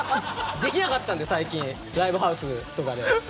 できなかったんで最近ライブハウスとかで。